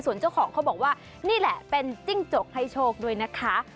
ส่วนเจ้าของเขาบอกว่านี่แหละเป็นจิ้งจกให้โชคด้วยนะคะ